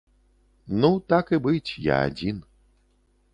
Ну, так і быць, я адзін.